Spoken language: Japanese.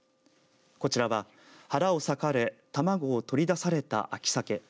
こちらは腹を割かれ卵を取り出された秋さけ。